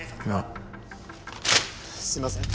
すいません。